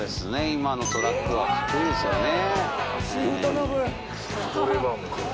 今のトラックはカッコイイですよね。